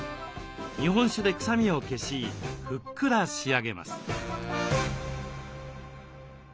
日本酒で臭みを消しふっくら仕上げます。